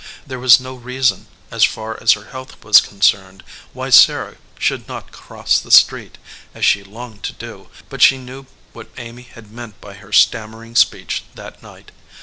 There was no reason, as far as her health was concerned, why Sarah should not cross the street, as she longed to do, but she knew what Amy had meant by her stammering speech that night.